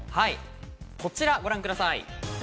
こちらご覧ください。